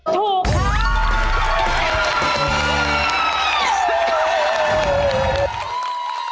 ถูกครับ